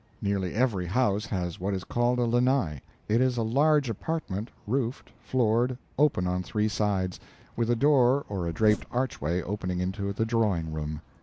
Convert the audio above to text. "Nearly every house has what is called a lanai. It is a large apartment, roofed, floored, open on three sides, with a door or a draped archway opening into the drawing room.